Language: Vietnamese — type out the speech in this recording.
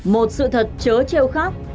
một sự thật chớ trêu khác